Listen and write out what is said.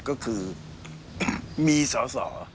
ก็คือมีสาว